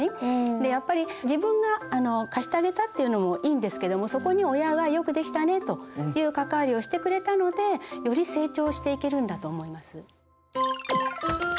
でやっぱり自分が貸してあげたっていうのもいいんですけどもそこに親が「よくできたね」という関わりをしてくれたのでより成長していけるんだと思います。